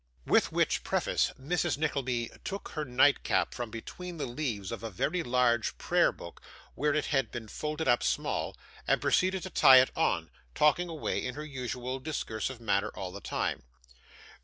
With which preface, Mrs. Nickleby took her nightcap from between the leaves of a very large prayer book where it had been folded up small, and proceeded to tie it on: talking away in her usual discursive manner, all the time.